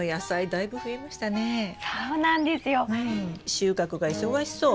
収穫が忙しそう。